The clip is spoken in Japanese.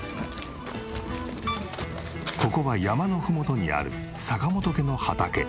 ここは山のふもとにある坂本家の畑。